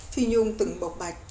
phi nhung từng bộc bạch